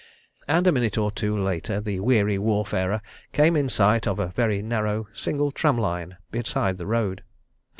And a minute or two later the weary warfarer came in sight of a very narrow, single tram line, beside the road.